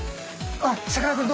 あっさかなクン